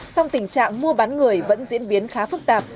song tình trạng mua bán người vẫn diễn biến khá phức tạp